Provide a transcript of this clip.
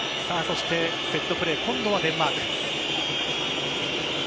セットプレー今度はデンマーク。